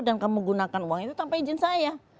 dan kamu menggunakan uang itu tanpa izin saya